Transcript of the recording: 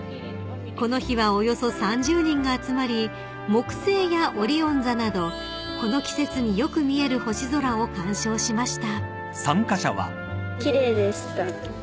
［この日はおよそ３０人が集まり木星やオリオン座などこの季節によく見える星空を観賞しました］